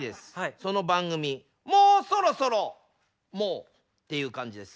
その番組もうそろそろもうっていう感じです。